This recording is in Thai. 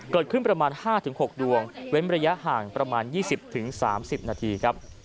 เกิดขึ้นประมาณ๕๖ดวงเว้นระยะห่างประมาณ๒๐๓๐นาทีครับ